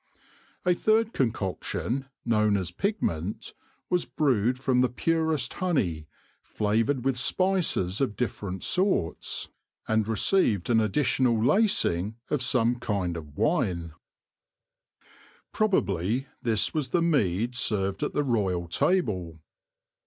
A third concoction, known as Pigment, was brewed from the purest honey, flavoured with spices of differ ent sorts, and received an additional lacing of some 18 THE LORE OF THE HONEY BEE kind of wine. Probably this was the mead served at the royal table.